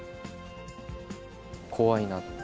怖いなって。